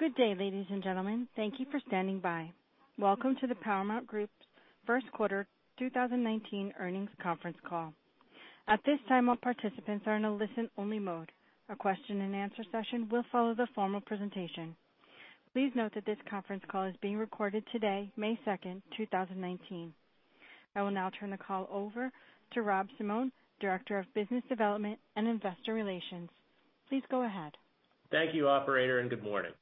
Good day, ladies and gentlemen. Thank you for standing by. Welcome to the Paramount Group's first quarter 2019 earnings conference call. At this time, all participants are in a listen-only mode. A question and answer session will follow the formal presentation. Please note that this conference call is being recorded today, May 2nd, 2019. I will now turn the call over to Rob Simone, Director of Business Development and Investor Relations. Please go ahead. Thank you, operator, and good morning.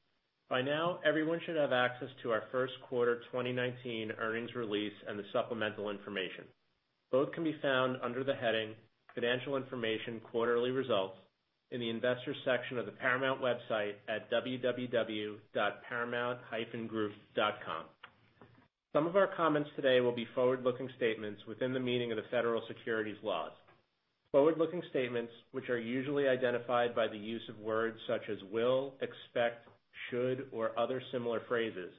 By now, everyone should have access to our first quarter 2019 earnings release and the supplemental information. Both can be found under the heading Financial Information Quarterly Results in the Investors section of the Paramount website at www.paramount-group.com. Some of our comments today will be forward-looking statements within the meaning of the federal securities laws. Forward-looking statements, which are usually identified by the use of words such as will, expect, should, or other similar phrases,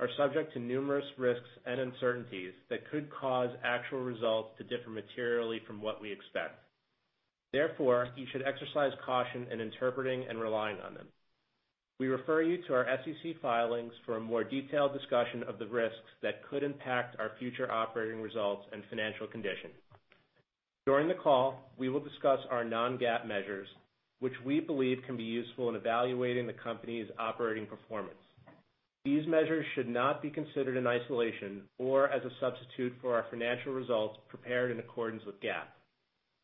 are subject to numerous risks and uncertainties that could cause actual results to differ materially from what we expect. Therefore, you should exercise caution in interpreting and relying on them. We refer you to our SEC filings for a more detailed discussion of the risks that could impact our future operating results and financial condition. During the call, we will discuss our non-GAAP measures, which we believe can be useful in evaluating the company's operating performance. These measures should not be considered in isolation or as a substitute for our financial results prepared in accordance with GAAP.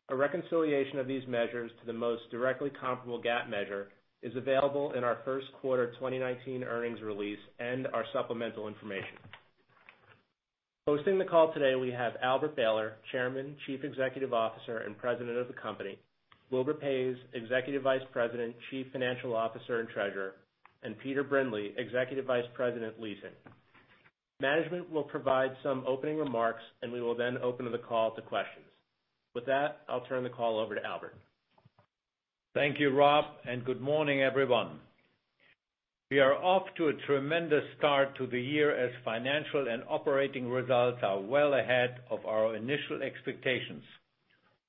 A reconciliation of these measures to the most directly comparable GAAP measure is available in our first quarter 2019 earnings release and our supplemental information. Hosting the call today, we have Albert Behler, Chairman, Chief Executive Officer, and President of the company; Wilbur Paes, Executive Vice President, Chief Financial Officer, and Treasurer; and Peter Brindley, Executive Vice President, Leasing. Management will provide some opening remarks, and we will then open the call to questions. With that, I'll turn the call over to Albert. Thank you, Rob, and good morning, everyone. We are off to a tremendous start to the year as financial and operating results are well ahead of our initial expectations.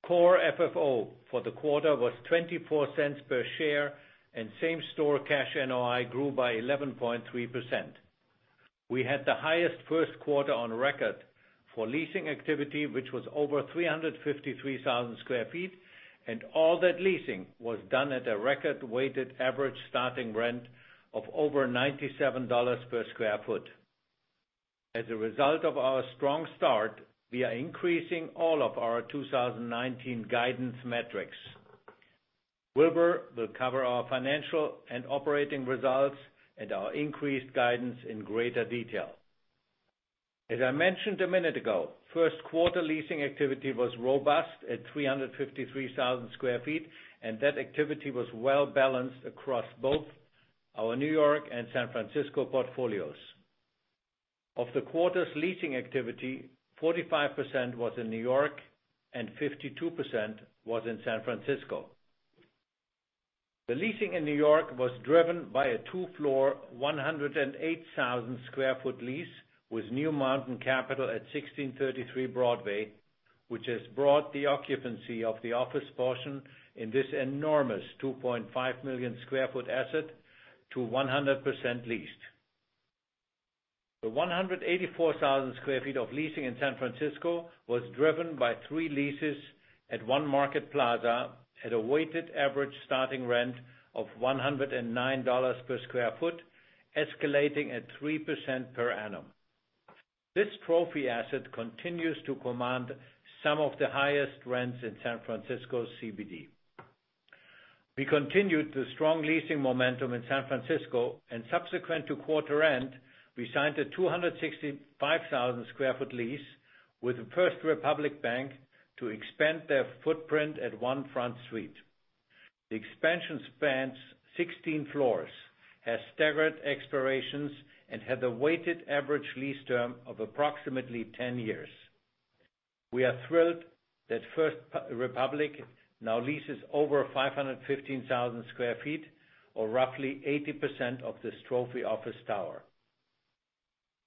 Core FFO for the quarter was $0.24 per share, and same-store cash NOI grew by 11.3%. We had the highest first quarter on record for leasing activity, which was over 353,000 square feet, and all that leasing was done at a record-weighted average starting rent of over $97 per square foot. As a result of our strong start, we are increasing all of our 2019 guidance metrics. Wilbur will cover our financial and operating results and our increased guidance in greater detail. As I mentioned a minute ago, first quarter leasing activity was robust at 353,000 square feet, and that activity was well-balanced across both our New York and San Francisco portfolios. Of the quarter's leasing activity, 45% was in New York, and 52% was in San Francisco. The leasing in New York was driven by a two-floor, 108,000 sq ft lease with New Mountain Capital at 1633 Broadway, which has brought the occupancy of the office portion in this enormous 2.5 million sq ft asset to 100% leased. The 184,000 sq ft of leasing in San Francisco was driven by three leases at One Market Plaza at a weighted average starting rent of $109 per sq ft, escalating at 3% per annum. This trophy asset continues to command some of the highest rents in San Francisco's CBD. We continued the strong leasing momentum in San Francisco. Subsequent to quarter end, we signed a 265,000 sq ft lease with First Republic Bank to expand their footprint at One Front Street. The expansion spans 16 floors, has staggered expirations, and has a weighted average lease term of approximately 10 years. We are thrilled that First Republic now leases over 515,000 sq ft, or roughly 80% of this trophy office tower.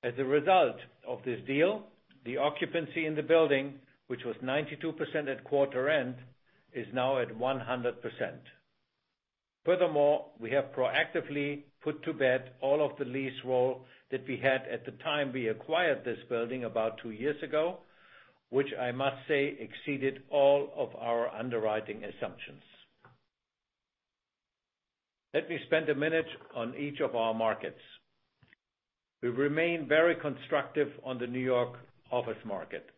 As a result of this deal, the occupancy in the building, which was 92% at quarter end, is now at 100%. Furthermore, we have proactively put to bed all of the lease roll that we had at the time we acquired this building about two years ago, which I must say exceeded all of our underwriting assumptions. Let me spend a minute on each of our markets. We remain very constructive on the New York office market.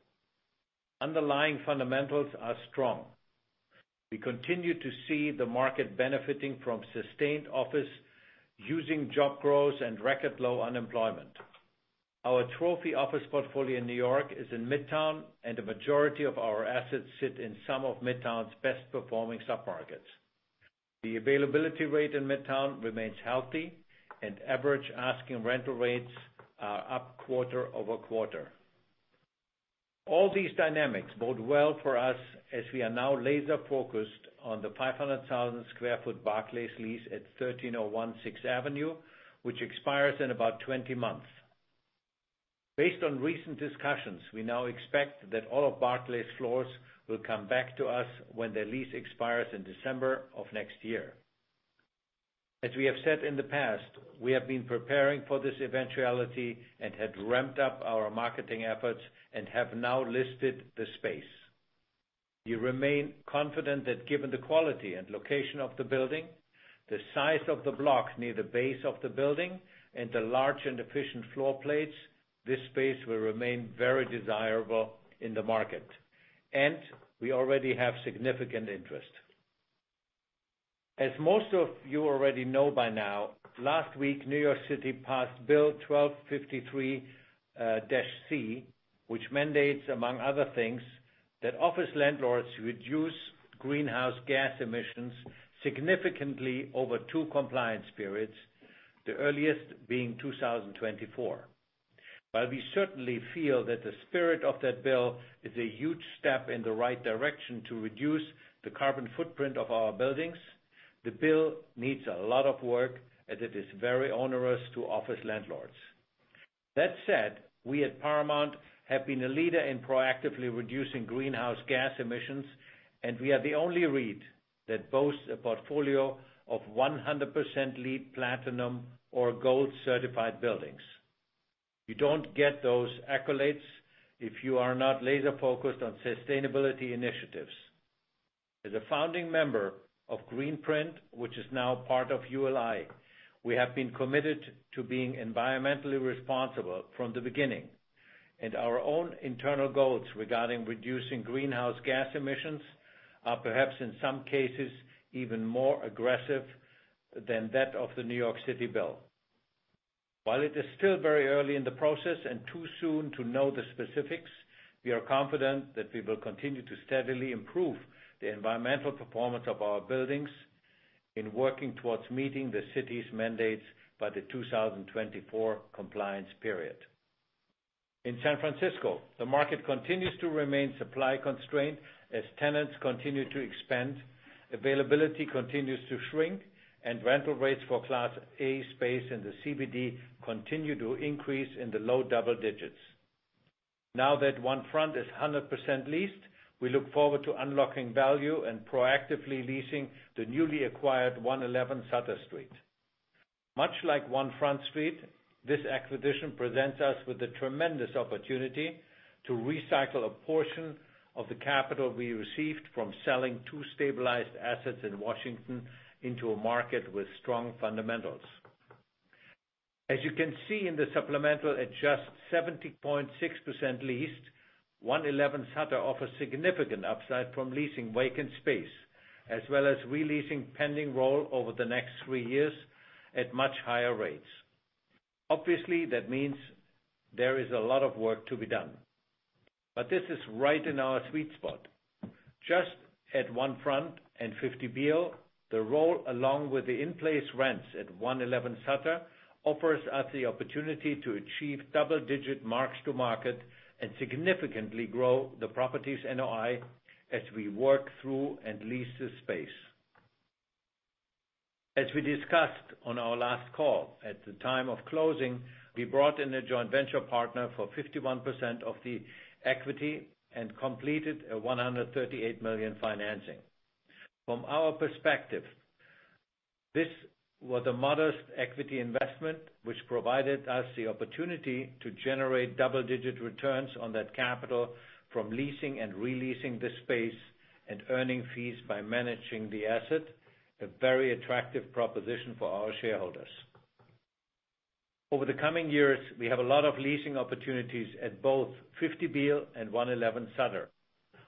Underlying fundamentals are strong. We continue to see the market benefiting from sustained office using job growth and record low unemployment. Our trophy office portfolio in New York is in Midtown, and the majority of our assets sit in some of Midtown's best-performing submarkets. The availability rate in Midtown remains healthy, and average asking rental rates are up quarter-over-quarter. All these dynamics bode well for us as we are now laser-focused on the 500,000 sq ft Barclays lease at 1301 Sixth Avenue, which expires in about 20 months. Based on recent discussions, we now expect that all of Barclays floors will come back to us when their lease expires in December of next year. As we have said in the past, we have been preparing for this eventuality and had ramped up our marketing efforts and have now listed the space. We remain confident that given the quality and location of the building, the size of the block near the base of the building, and the large and efficient floor plates, this space will remain very desirable in the market. We already have significant interest. As most of you already know by now, last week, New York City passed Bill 1253-C, which mandates, among other things, that office landlords reduce greenhouse gas emissions significantly over two compliance periods, the earliest being 2024. While we certainly feel that the spirit of that bill is a huge step in the right direction to reduce the carbon footprint of our buildings, the bill needs a lot of work as it is very onerous to office landlords. That said, we at Paramount have been a leader in proactively reducing greenhouse gas emissions, and we are the only REIT that boasts a portfolio of 100% LEED platinum or gold-certified buildings. You don't get those accolades if you are not laser-focused on sustainability initiatives. As a founding member of Greenprint, which is now part of ULI, we have been committed to being environmentally responsible from the beginning, and our own internal goals regarding reducing greenhouse gas emissions are perhaps, in some cases, even more aggressive than that of the New York City bill. While it is still very early in the process and too soon to know the specifics, we are confident that we will continue to steadily improve the environmental performance of our buildings in working towards meeting the city's mandates by the 2024 compliance period. In San Francisco, the market continues to remain supply-constrained as tenants continue to expand, availability continues to shrink, and rental rates for Class A space in the CBD continue to increase in the low double digits. Now that One Front is 100% leased, we look forward to unlocking value and proactively leasing the newly acquired 111 Sutter Street. Much like One Front Street, this acquisition presents us with a tremendous opportunity to recycle a portion of the capital we received from selling two stabilized assets in Washington into a market with strong fundamentals. As you can see in the supplemental, at just 70.6% leased, 111 Sutter offers significant upside from leasing vacant space, as well as re-leasing pending roll over the next three years at much higher rates. Obviously, that means there is a lot of work to be done. This is right in our sweet spot. Just at One Front and 50 Beale, the roll, along with the in-place rents at 111 Sutter, offers us the opportunity to achieve double-digit mark-to-market and significantly grow the property's NOI as we work through and lease the space. As we discussed on our last call, at the time of closing, we brought in a joint venture partner for 51% of the equity and completed a $138 million financing. From our perspective, this was a modest equity investment, which provided us the opportunity to generate double-digit returns on that capital from leasing and re-leasing this space and earning fees by managing the asset, a very attractive proposition for our shareholders. Over the coming years, we have a lot of leasing opportunities at both 50 Beale and 111 Sutter,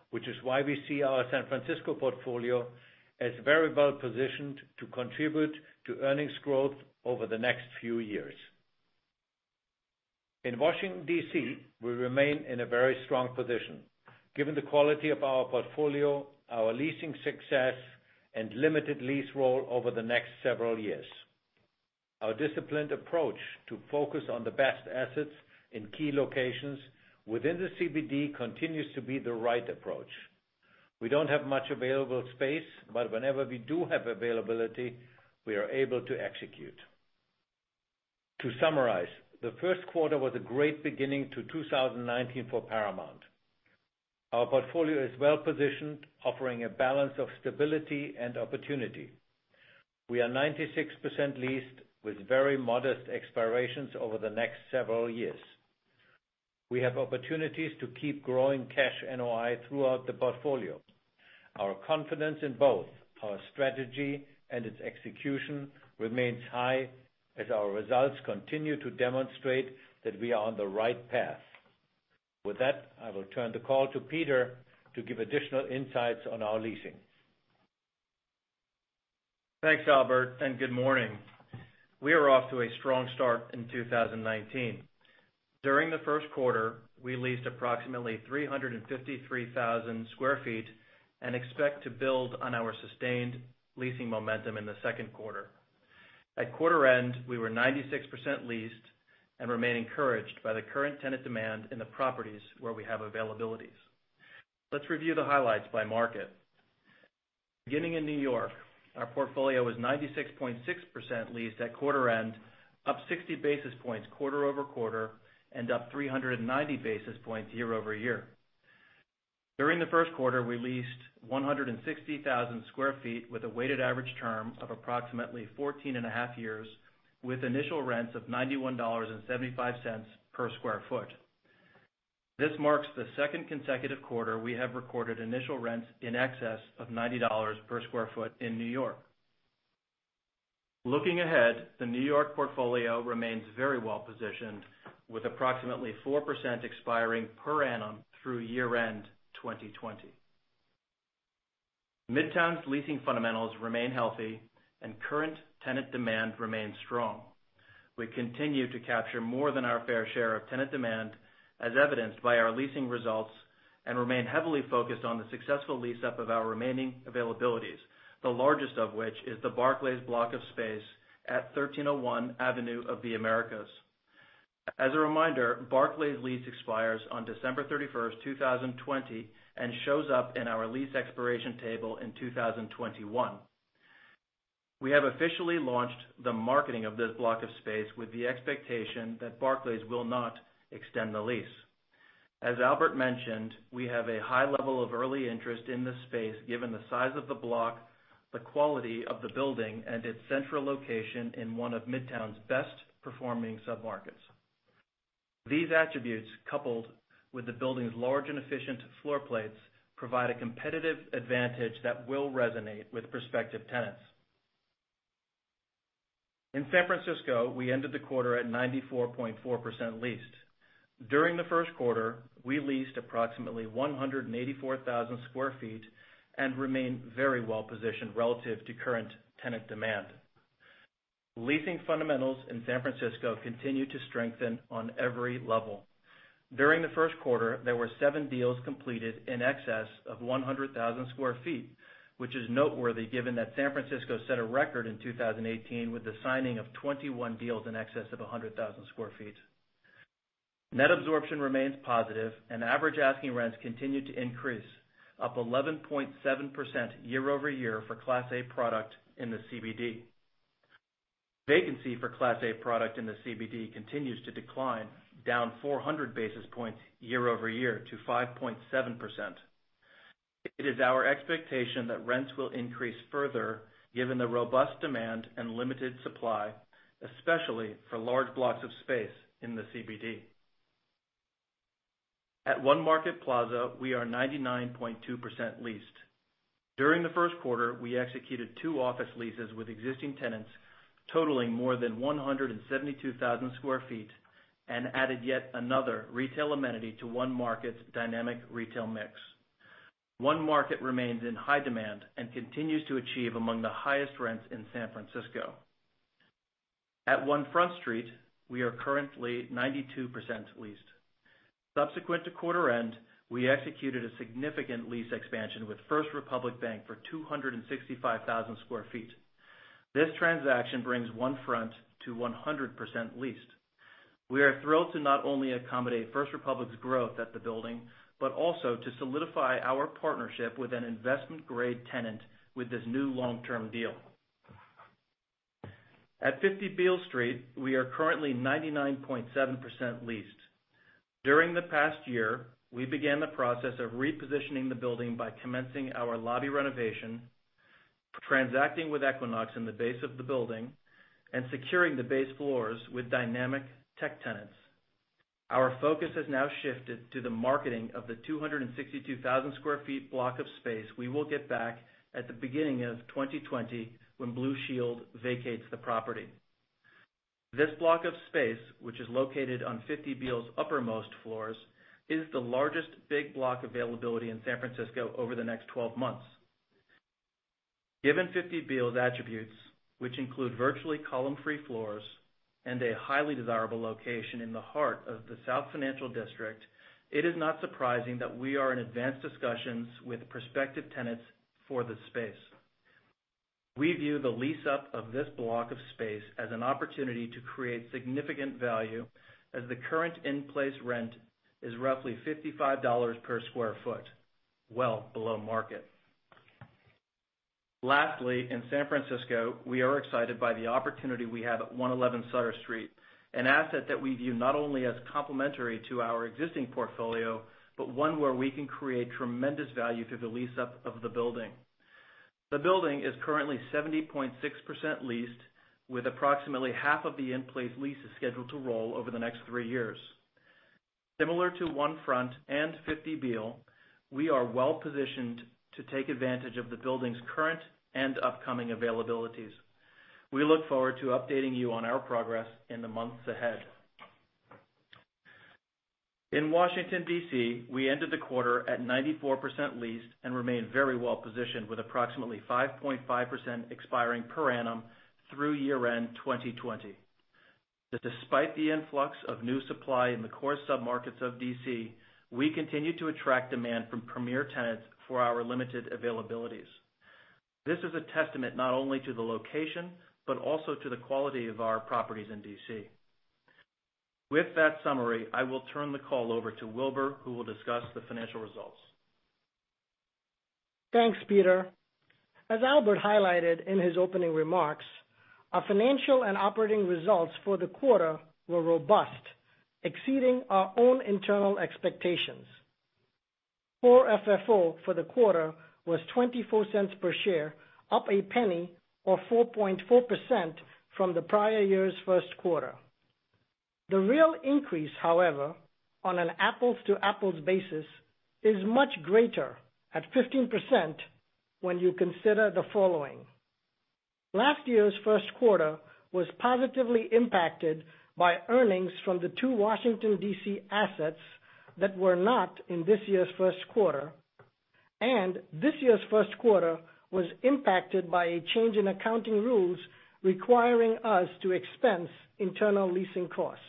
which is why we see our San Francisco portfolio as very well positioned to contribute to earnings growth over the next few years. In Washington, D.C., we remain in a very strong position, given the quality of our portfolio, our leasing success, and limited lease roll over the next several years. Our disciplined approach to focus on the best assets in key locations within the CBD continues to be the right approach. We don't have much available space, but whenever we do have availability, we are able to execute. To summarize, the first quarter was a great beginning to 2019 for Paramount. Our portfolio is well-positioned, offering a balance of stability and opportunity. We are 96% leased with very modest expirations over the next several years. We have opportunities to keep growing cash NOI throughout the portfolio. Our confidence in both our strategy and its execution remains high as our results continue to demonstrate that we are on the right path. With that, I will turn the call to Peter to give additional insights on our leasing. Thanks, Albert, and good morning. We are off to a strong start in 2019. During the first quarter, we leased approximately 353,000 sq ft and expect to build on our sustained leasing momentum in the second quarter. At quarter end, we were 96% leased and remain encouraged by the current tenant demand in the properties where we have availabilities. Let's review the highlights by market. Beginning in New York, our portfolio was 96.6% leased at quarter end, up 60 basis points quarter-over-quarter and up 390 basis points year-over-year. During the first quarter, we leased 160,000 sq ft with a weighted average term of approximately 14 and a half years, with initial rents of $91.75 per sq ft. This marks the second consecutive quarter we have recorded initial rents in excess of $90 per sq ft in New York. Looking ahead, the New York portfolio remains very well positioned, with approximately 4% expiring per annum through year-end 2020. Midtown's leasing fundamentals remain healthy, and current tenant demand remains strong. We continue to capture more than our fair share of tenant demand, as evidenced by our leasing results, and remain heavily focused on the successful lease up of our remaining availabilities, the largest of which is the Barclays block of space at 1301 Avenue of the Americas. As a reminder, Barclays' lease expires on December 31st, 2020, and shows up in our lease expiration table in 2021. We have officially launched the marketing of this block of space with the expectation that Barclays will not extend the lease. As Albert mentioned, we have a high level of early interest in this space given the size of the block, the quality of the building, and its central location in one of Midtown's best-performing submarkets. These attributes, coupled with the building's large and efficient floor plates, provide a competitive advantage that will resonate with prospective tenants. In San Francisco, we ended the quarter at 94.4% leased. During the first quarter, we leased approximately 184,000 sq ft and remain very well positioned relative to current tenant demand. Leasing fundamentals in San Francisco continue to strengthen on every level. During the first quarter, there were seven deals completed in excess of 100,000 sq ft, which is noteworthy given that San Francisco set a record in 2018 with the signing of 21 deals in excess of 100,000 sq ft. Net absorption remains positive. Average asking rents continue to increase, up 11.7% year-over-year for Class A product in the CBD. Vacancy for Class A product in the CBD continues to decline, down 400 basis points year-over-year to 5.7%. It is our expectation that rents will increase further given the robust demand and limited supply, especially for large blocks of space in the CBD. At One Market Plaza, we are 99.2% leased. During the first quarter, we executed 2 office leases with existing tenants totaling more than 172,000 square feet and added yet another retail amenity to One Market's dynamic retail mix. One Market remains in high demand and continues to achieve among the highest rents in San Francisco. At One Front Street, we are currently 92% leased. Subsequent to quarter end, we executed a significant lease expansion with First Republic Bank for 265,000 square feet. This transaction brings One Front to 100% leased. We are thrilled to not only accommodate First Republic's growth at the building, but also to solidify our partnership with an investment-grade tenant with this new long-term deal. At 50 Beale Street, we are currently 99.7% leased. During the past year, we began the process of repositioning the building by commencing our lobby renovation, transacting with Equinox in the base of the building, and securing the base floors with dynamic tech tenants. Our focus has now shifted to the marketing of the 262,000 square feet block of space we will get back at the beginning of 2020 when Blue Shield vacates the property. This block of space, which is located on 50 Beale's uppermost floors, is the largest big block availability in San Francisco over the next 12 months. Given 50 Beale's attributes, which include virtually column-free floors and a highly desirable location in the heart of the South Financial District, it is not surprising that we are in advanced discussions with prospective tenants for the space. We view the lease up of this block of space as an opportunity to create significant value as the current in-place rent is roughly $55 per square foot, well below market. Lastly, in San Francisco, we are excited by the opportunity we have at 111 Sutter Street, an asset that we view not only as complementary to our existing portfolio, but one where we can create tremendous value through the lease up of the building. The building is currently 70.6% leased, with approximately half of the in-place leases scheduled to roll over the next three years. Similar to One Front and 50 Beale, we are well positioned to take advantage of the building's current and upcoming availabilities. We look forward to updating you on our progress in the months ahead. In Washington, D.C., we ended the quarter at 94% leased and remain very well positioned with approximately 5.5% expiring per annum through year-end 2020. Despite the influx of new supply in the core submarkets of D.C., we continue to attract demand from premier tenants for our limited availabilities. This is a testament not only to the location, but also to the quality of our properties in D.C. With that summary, I will turn the call over to Wilbur, who will discuss the financial results. Thanks, Peter. As Albert highlighted in his opening remarks, our financial and operating results for the quarter were robust, exceeding our own internal expectations. Core FFO for the quarter was $0.24 per share, up $0.01 or 4.4% from the prior year's first quarter. The real increase, however, on an apples-to-apples basis, is much greater, at 15%, when you consider the following. Last year's first quarter was positively impacted by earnings from the two Washington, D.C., assets that were not in this year's first quarter, and this year's first quarter was impacted by a change in accounting rules requiring us to expense internal leasing costs.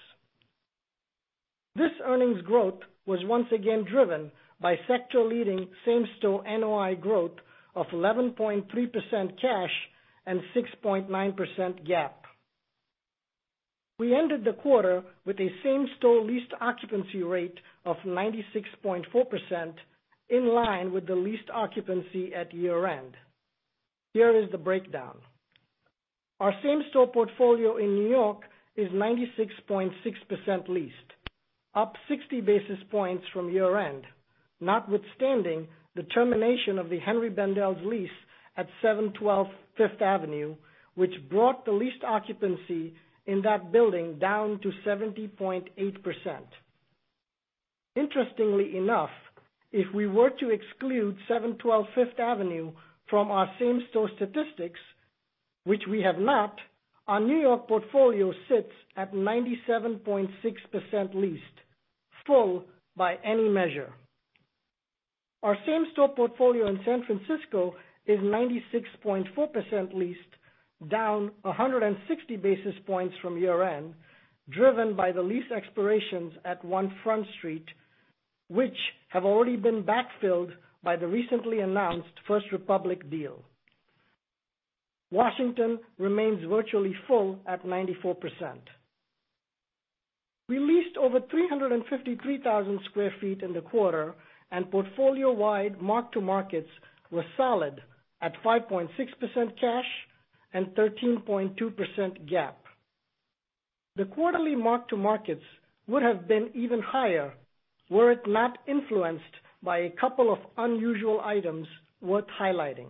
This earnings growth was once again driven by sector-leading same-store NOI growth of 11.3% cash and 6.9% GAAP. We ended the quarter with a same-store leased occupancy rate of 96.4%, in line with the leased occupancy at year-end. Here is the breakdown. Our same-store portfolio in New York is 96.6% leased, up 60 basis points from year-end, notwithstanding the termination of the Henri Bendel lease at 712 Fifth Avenue, which brought the leased occupancy in that building down to 70.8%. Interestingly enough, if we were to exclude 712 Fifth Avenue from our same-store statistics, which we have not, our New York portfolio sits at 97.6% leased, full by any measure. Our same-store portfolio in San Francisco is 96.4% leased, down 160 basis points from year-end, driven by the lease expirations at One Front Street, which have already been backfilled by the recently announced First Republic deal. Washington remains virtually full at 94%. We leased over 353,000 sq ft in the quarter, and portfolio-wide mark-to-markets were solid at 5.6% cash and 13.2% GAAP. The quarterly mark-to-markets would have been even higher were it not influenced by a couple of unusual items worth highlighting.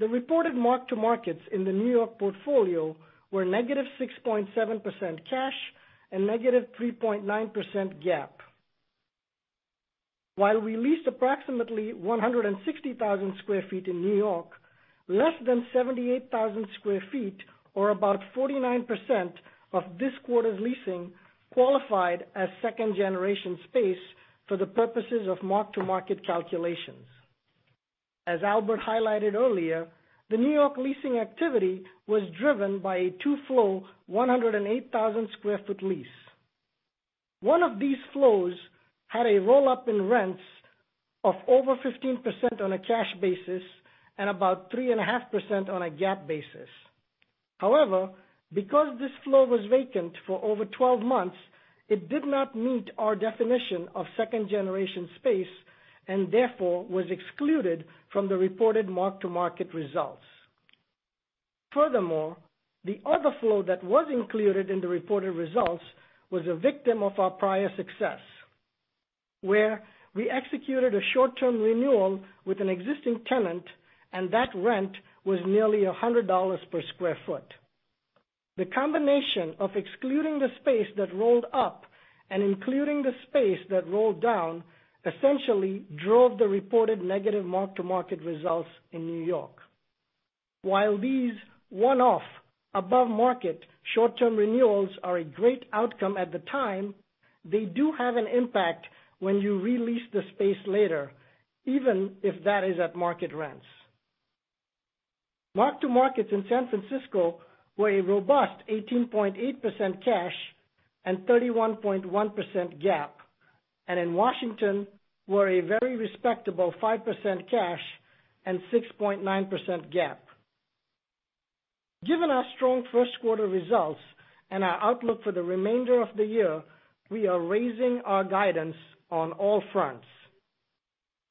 The reported mark-to-markets in the New York portfolio were negative 6.7% cash and negative 3.9% GAAP. While we leased approximately 160,000 sq ft in New York, less than 78,000 sq ft or about 49% of this quarter's leasing qualified as second generation space for the purposes of mark-to-market calculations. As Albert highlighted earlier, the New York leasing activity was driven by a two-flow, 108,000 sq ft lease. One of these flows had a roll-up in rents of over 15% on a cash basis and about 3.5% on a GAAP basis. However, because this flow was vacant for over 12 months, it did not meet our definition of second generation space and therefore was excluded from the reported mark-to-market results. The other flow that was included in the reported results was a victim of our prior success, where we executed a short-term renewal with an existing tenant, and that rent was nearly $100 per sq ft. The combination of excluding the space that rolled up and including the space that rolled down essentially drove the reported negative mark-to-market results in New York. While these one-off above-market short-term renewals are a great outcome at the time, they do have an impact when you re-lease the space later, even if that is at market rents. Mark-to-markets in San Francisco were a robust 18.8% cash and 31.1% GAAP, and in Washington, were a very respectable 5% cash and 6.9% GAAP. Given our strong first quarter results and our outlook for the remainder of the year, we are raising our guidance on all fronts.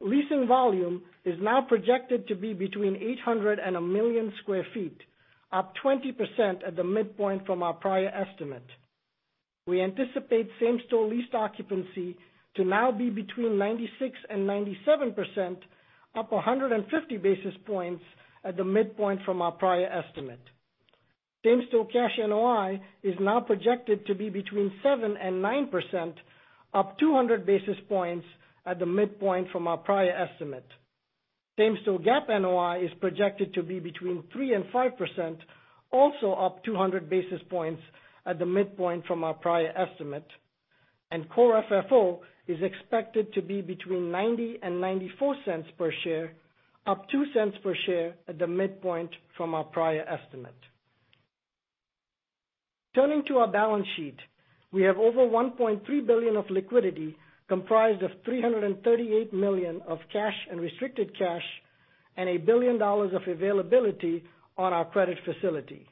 Leasing volume is now projected to be between 800,000 and 1 million square feet, up 20% at the midpoint from our prior estimate. We anticipate same-store leased occupancy to now be between 96% and 97%, up 150 basis points at the midpoint from our prior estimate. Same-store cash NOI is now projected to be between 7% and 9%, up 200 basis points at the midpoint from our prior estimate. Same-store GAAP NOI is projected to be between 3% and 5%, also up 200 basis points at the midpoint from our prior estimate. Core FFO is expected to be between $0.90 and $0.94 per share, up $0.02 per share at the midpoint from our prior estimate. Turning to our balance sheet, we have over $1.3 billion of liquidity, comprised of $338 million of cash and restricted cash. A billion dollars of availability on our credit facility.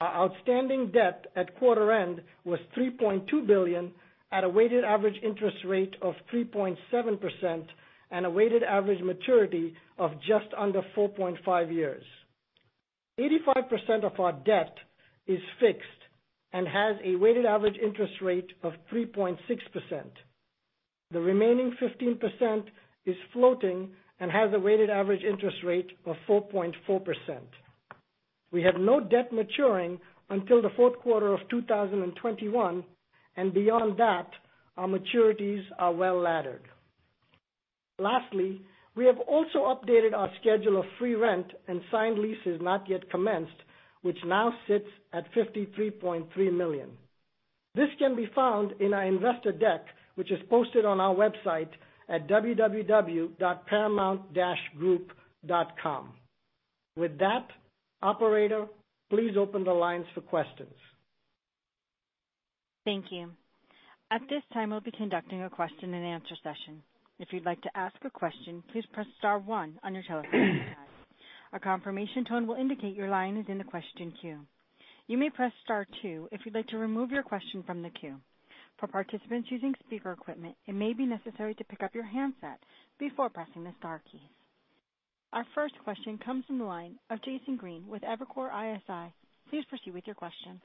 Our outstanding debt at quarter end was $3.2 billion at a weighted average interest rate of 3.7% and a weighted average maturity of just under 4.5 years. 85% of our debt is fixed and has a weighted average interest rate of 3.6%. The remaining 15% is floating and has a weighted average interest rate of 4.4%. We have no debt maturing until the fourth quarter of 2021, and beyond that, our maturities are well-laddered. Lastly, we have also updated our schedule of free rent and signed leases not yet commenced, which now sits at $53.3 million. This can be found in our investor deck, which is posted on our website at www.paramount-group.com. With that, operator, please open the lines for questions. Thank you. At this time, we'll be conducting a question and answer session. If you'd like to ask a question, please press star one on your telephone keypad. A confirmation tone will indicate your line is in the question queue. You may press star two if you'd like to remove your question from the queue. For participants using speaker equipment, it may be necessary to pick up your handset before pressing the star keys. Our first question comes from the line of Jason Green with Evercore ISI. Please proceed with your question.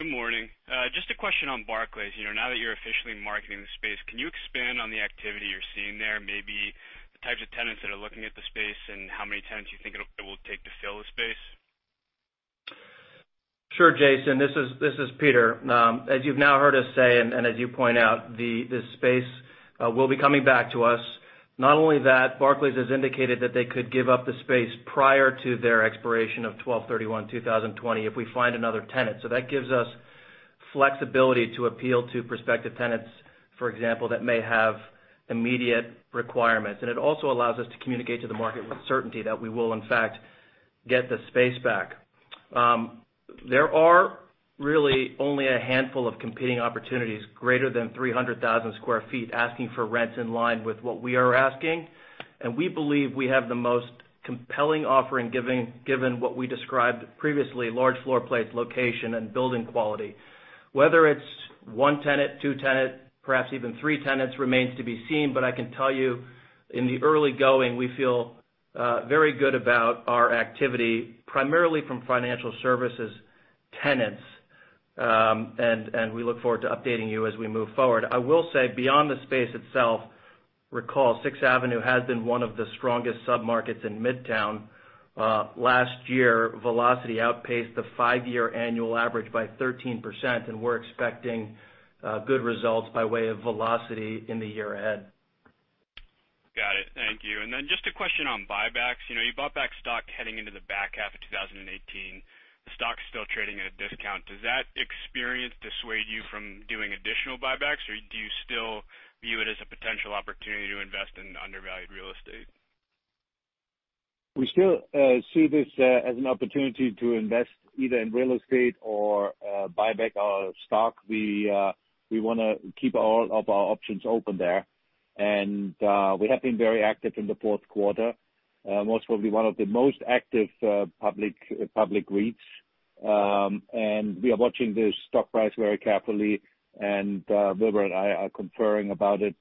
Good morning. Just a question on Barclays. Now that you're officially marketing the space, can you expand on the activity you're seeing there, maybe the types of tenants that are looking at the space, and how many tenants you think it will take to fill the space? Sure, Jason. This is Peter. As you've now heard us say, and as you point out, the space will be coming back to us. Not only that, Barclays has indicated that they could give up the space prior to their expiration of 12/31/2020 if we find another tenant. That gives us flexibility to appeal to prospective tenants, for example, that may have immediate requirements. It also allows us to communicate to the market with certainty that we will, in fact, get the space back. There are really only a handful of competing opportunities greater than 300,000 sq ft asking for rents in line with what we are asking, and we believe we have the most compelling offering given what we described previously, large floor plates, location, and building quality. Whether it's one tenant, two tenants, perhaps even three tenants remains to be seen. I can tell you, in the early going, we feel very good about our activity, primarily from financial services tenants, and we look forward to updating you as we move forward. I will say, beyond the space itself, recall Sixth Avenue has been one of the strongest submarkets in Midtown. Last year, velocity outpaced the five-year annual average by 13%. We're expecting good results by way of velocity in the year ahead. Got it. Thank you. Just a question on buybacks. You bought back stock heading into the back half of 2018. The stock's still trading at a discount. Does that experience dissuade you from doing additional buybacks, or do you still view it as a potential opportunity to invest in undervalued real estate? We still see this as an opportunity to invest either in real estate or buy back our stock. We want to keep all of our options open there, and we have been very active in the fourth quarter, most probably one of the most active public REITs. We are watching the stock price very carefully, Wilbur and I are conferring about it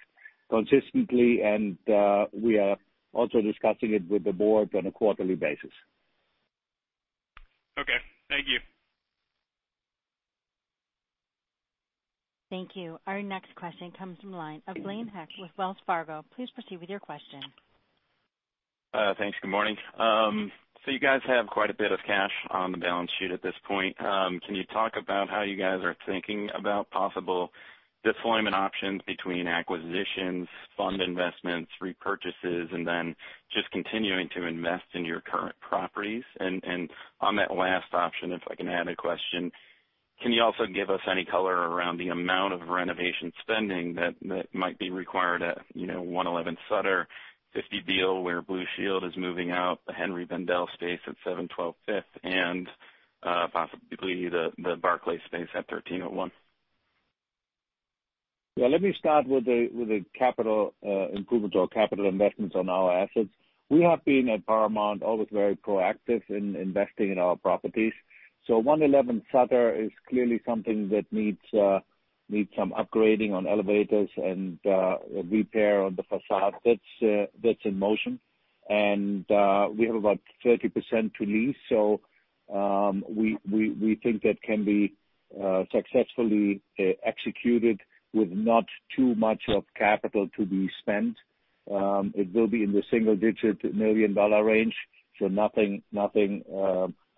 consistently, and we are also discussing it with the board on a quarterly basis. Okay. Thank you. Thank you. Our next question comes from the line of Blaine Heck with Wells Fargo. Please proceed with your question. Thanks. Good morning. You guys have quite a bit of cash on the balance sheet at this point. Can you talk about how you guys are thinking about possible deployment options between acquisitions, fund investments, repurchases, and then just continuing to invest in your current properties? On that last option, if I can add a question, can you also give us any color around the amount of renovation spending that might be required at 111 Sutter, 50 Beale, where Blue Shield is moving out, the Henri Bendel space at 712 Fifth, and possibly the Barclays space at 1301? Yeah, let me start with the capital improvements or capital investments on our assets. We have been, at Paramount, always very proactive in investing in our properties. 111 Sutter is clearly something that needs some upgrading on elevators and repair on the façade. That's in motion. We have about 30% to lease. We think that can be successfully executed with not too much of capital to be spent. It will be in the single-digit million dollar range, nothing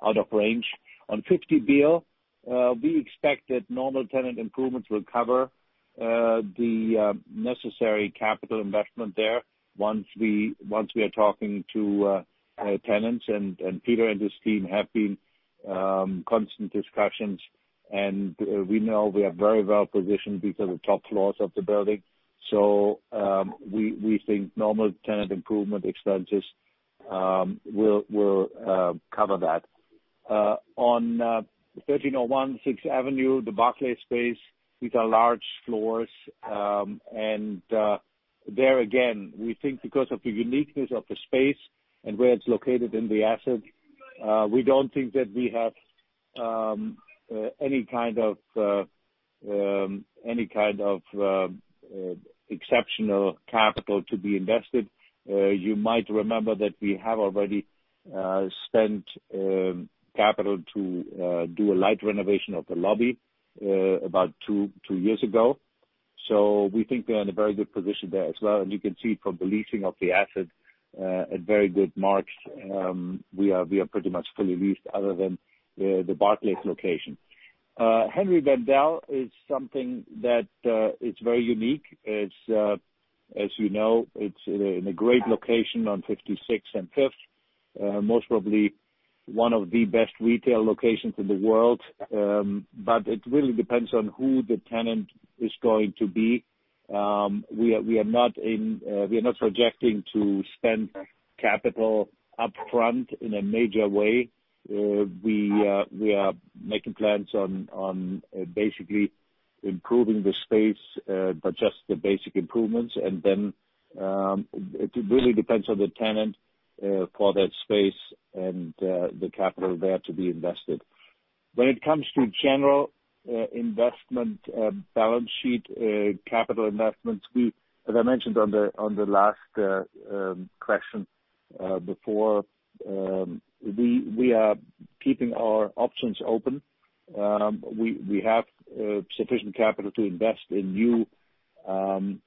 out of range. On 50 Beale, we expect that normal tenant improvements will cover the necessary capital investment there once we are talking to tenants. Peter and his team have been in constant discussions, and we know we are very well positioned because of the top floors of the building. We think normal tenant improvement expenses we'll cover that. 1301 Sixth Avenue, the Barclays space, these are large floors. There again, we think because of the uniqueness of the space and where it's located in the asset, we don't think that we have any kind of exceptional capital to be invested. You might remember that we have already spent capital to do a light renovation of the lobby about two years ago. We think we're in a very good position there as well. You can see from the leasing of the asset at very good marks. We are pretty much fully leased other than the Barclays location. Henri Bendel is something that is very unique. As you know, it's in a great location on 56th and 5th. Most probably one of the best retail locations in the world. It really depends on who the tenant is going to be. We are not projecting to spend capital upfront in a major way. We are making plans on basically improving the space, but just the basic improvements. Then, it really depends on the tenant for that space and the capital there to be invested. When it comes to general investment, balance sheet, capital investments. As I mentioned on the last question before, we are keeping our options open. We have sufficient capital to invest in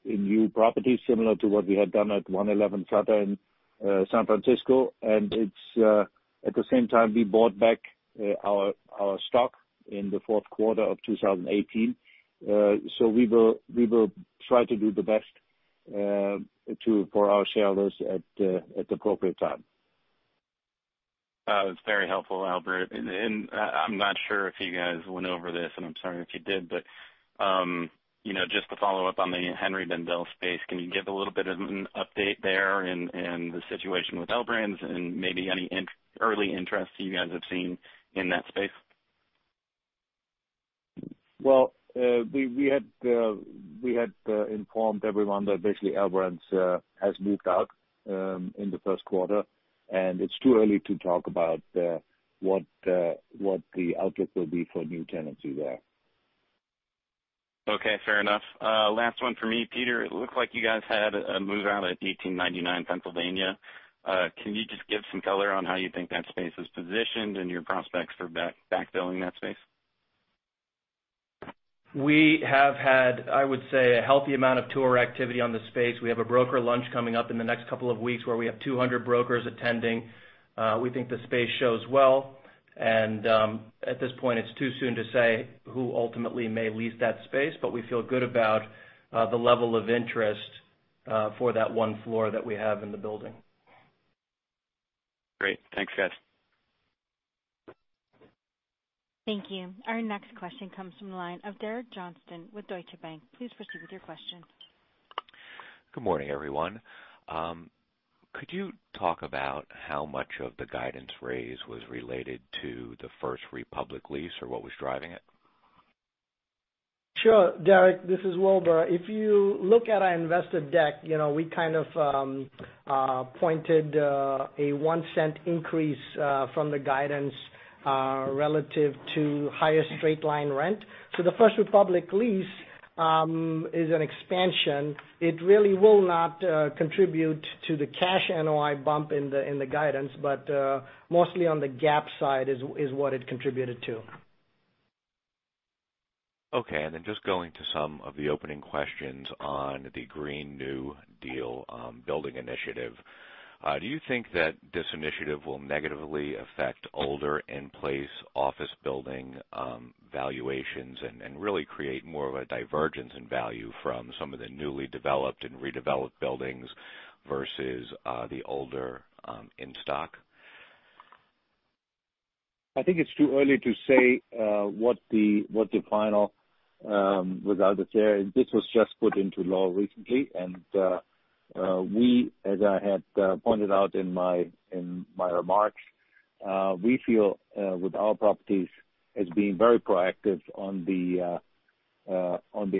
new properties, similar to what we had done at 111 Sutter Street in San Francisco. At the same time, we bought back our stock in the fourth quarter of 2018. We will try to do the best for our shareholders at the appropriate time. That was very helpful, Albert. I'm not sure if you guys went over this, and I'm sorry if you did, but just to follow up on the Henri Bendel space, can you give a little bit of an update there and the situation with L Brands and maybe any early interest you guys have seen in that space? Well, we had informed everyone that basically L Brands has moved out in the first quarter. It's too early to talk about what the outlet will be for new tenancy there. Okay, fair enough. Last one for me. Peter, it looks like you guys had a move out at 1899 Pennsylvania. Can you just give some color on how you think that space is positioned and your prospects for backfilling that space? We have had, I would say, a healthy amount of tour activity on the space. We have a broker lunch coming up in the next couple of weeks where we have 200 brokers attending. We think the space shows well. At this point, it's too soon to say who ultimately may lease that space, but we feel good about the level of interest for that one floor that we have in the building. Great. Thanks, guys. Thank you. Our next question comes from the line of Derek Johnston with Deutsche Bank. Please proceed with your question. Good morning, everyone. Could you talk about how much of the guidance raise was related to the First Republic lease, or what was driving it? Sure, Derek. This is Wilbur. If you look at our investor deck, we kind of pointed a $0.01 increase from the guidance relative to higher straight line rent. The First Republic lease is an expansion. It really will not contribute to the cash NOI bump in the guidance, but mostly on the GAAP side is what it contributed to. Okay. Just going to some of the opening questions on the Green New Deal building initiative. Do you think that this initiative will negatively affect older in-place office building valuations and really create more of a divergence in value from some of the newly developed and redeveloped buildings versus the older in-stock? I think it's too early to say what the final result is there. This was just put into law recently, as I had pointed out in my remarks, we feel, with our properties, as being very proactive on the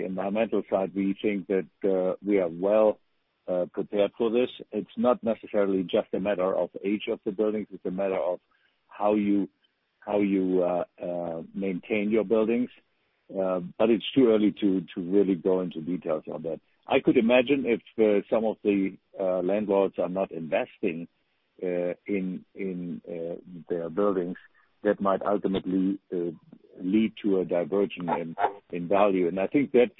environmental side. We think that we are well prepared for this. It's not necessarily just a matter of age of the buildings, it's a matter of how you maintain your buildings. It's too early to really go into details on that. I could imagine if some of the landlords are not investing in their buildings, that might ultimately lead to a divergence in value. I think that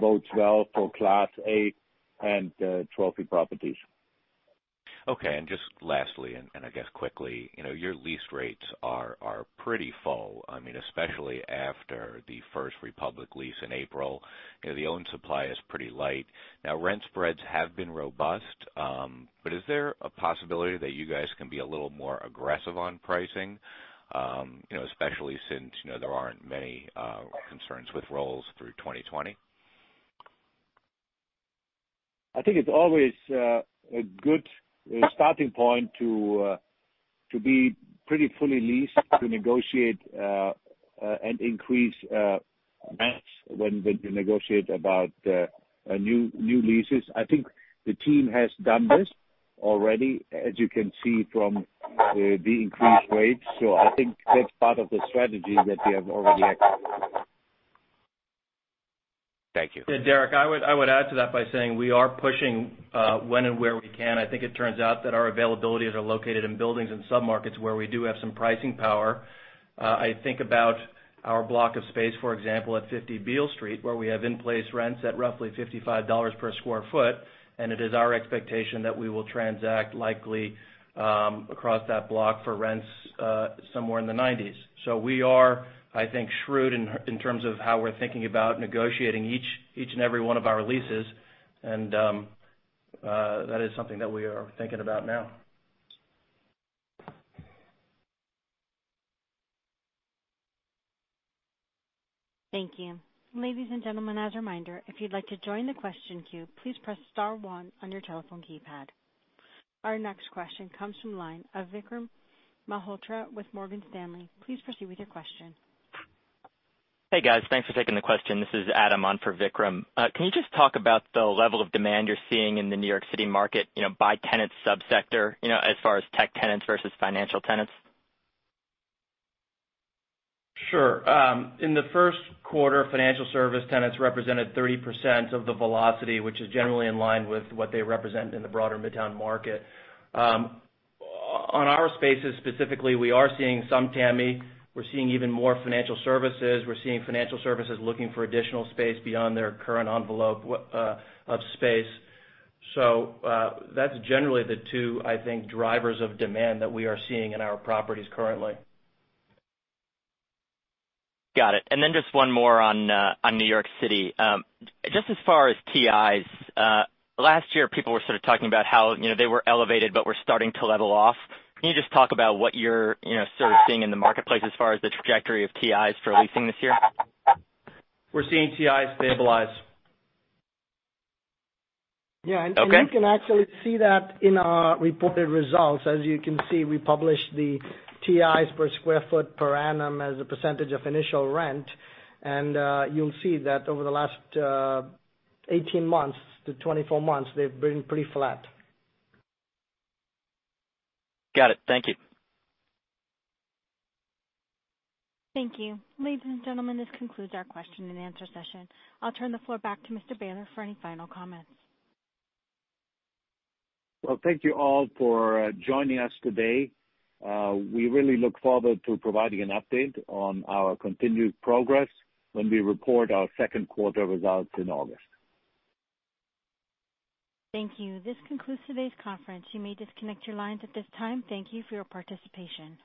bodes well for class A and trophy properties. Okay, just lastly, I guess quickly. Your lease rates are pretty full, especially after the First Republic lease in April. The owned supply is pretty light. Rent spreads have been robust, but is there a possibility that you guys can be a little more aggressive on pricing? Especially since there aren't many concerns with rolls through 2020? I think it's always a good starting point to be pretty fully leased to negotiate and increase rents when you negotiate about new leases. I think the team has done this already, as you can see from the increased rates. I think that's part of the strategy that we have already executed. Thank you. Yeah, Derek, I would add to that by saying we are pushing when and where we can. I think it turns out that our availabilities are located in buildings and sub-markets where we do have some pricing power. I think about our block of space, for example, at 50 Beale Street, where we have in-place rents at roughly $55 per sq ft, and it is our expectation that we will transact likely across that block for rents somewhere in the 90s. We are, I think, shrewd in terms of how we're thinking about negotiating each and every one of our leases, and that is something that we are thinking about now. Thank you. Ladies and gentlemen, as a reminder, if you'd like to join the question queue, please press * one on your telephone keypad. Our next question comes from the line of Vikram Malhotra with Morgan Stanley. Please proceed with your question. Hey, guys. Thanks for taking the question. This is Adam on for Vikram. Can you just talk about the level of demand you're seeing in the New York City market, by tenant sub-sector as far as tech tenants versus financial tenants? Sure. In the first quarter, financial service tenants represented 30% of the velocity, which is generally in line with what they represent in the broader Midtown market. On our spaces specifically, we are seeing some TAMI. We're seeing even more financial services. We're seeing financial services looking for additional space beyond their current envelope of space. That's generally the two, I think, drivers of demand that we are seeing in our properties currently. Got it. Just one more on New York City. Just as far as TIs, last year people were sort of talking about how they were elevated but were starting to level off. Can you just talk about what you're sort of seeing in the marketplace as far as the trajectory of TIs for leasing this year? We're seeing TIs stabilize. Yeah- Okay You can actually see that in our reported results. As you can see, we publish the TIs per sq ft per annum as a percentage of initial rent, and you'll see that over the last 18 months-24 months, they've been pretty flat. Got it. Thank you. Thank you. Ladies and gentlemen, this concludes our question and answer session. I'll turn the floor back to Mr. Behler for any final comments. Well, thank you all for joining us today. We really look forward to providing an update on our continued progress when we report our second quarter results in August. Thank you. This concludes today's conference. You may disconnect your lines at this time. Thank you for your participation.